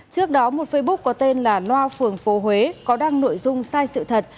trước đó một facebook có tên là loa phường phố huế có đăng nội dung sai sự thật